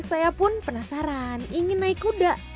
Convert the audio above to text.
saya pun penasaran ingin naik kuda